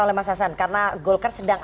oleh mas hasan karena golkar sedang